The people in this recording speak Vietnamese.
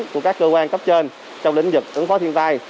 của các cơ quan cấp trên trong lĩnh vực ứng phó thiên tai